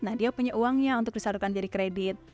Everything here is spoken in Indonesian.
nah dia punya uangnya untuk disalurkan jadi kredit